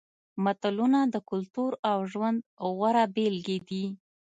متلونه د کلتور او ژوند غوره بېلګې دي